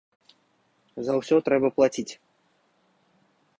За ўсё трэба плаціць.